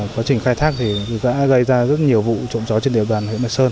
quá trình khai thác đã gây ra rất nhiều vụ trộm chó trên địa bàn